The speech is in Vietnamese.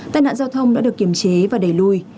tài nạn giao thông đã được kiểm chế và đẩy lùi